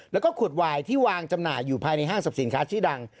แล้วก็ขวดวายที่วางจำหน่ายอยู่ภายในห้างสรรพสินค้าชื่อดัง